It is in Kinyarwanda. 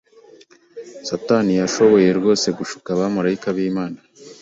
Satani yashoboye rwose gushuka abamarayika b’Imana,